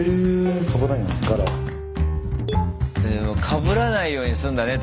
かぶらないようにするんだね